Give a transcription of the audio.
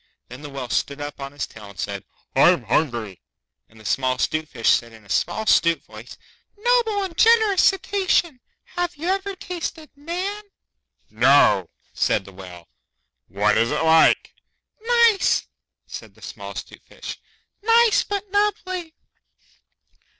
Then the Whale stood up on his tail and said, 'I'm hungry.' And the small 'Stute Fish said in a small 'stute voice, 'Noble and generous Cetacean, have you ever tasted Man?' 'No,' said the Whale. 'What is it like?' 'Nice,' said the small 'Stute Fish. 'Nice but nubbly.